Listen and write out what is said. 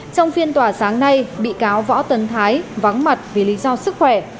trong phiên tòa sáng nay bị cáo võ tấn thái vắng mặt vì lý do sức khỏe